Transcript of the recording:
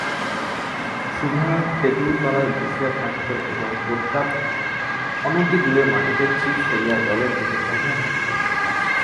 সুভা তেঁতুলতলায় বসিয়া থাকিত এবং প্রতাপ অনতিদূরে মাটিতে ছিপ ফেলিয়া জলের দিকে চাহিয়া থাকিত।